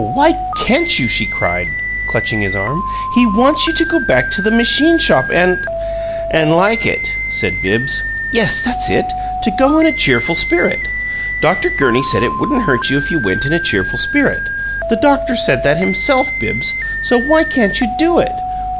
Why can't you?" she cried, clutching his arm. "He wants you to go back to the machine shop and " "And 'like it'!" said Bibbs. "Yes, that's it to go in a cheerful spirit. Dr. Gurney said it wouldn't hurt you if you went in a cheerful spirit the doctor said that himself, Bibbs. So why can't you do it?